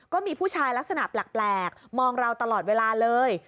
ก็มีผู้ชายลักษณะแปลกมองเราตลอดเวลาเลย